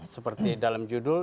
seperti dalam judul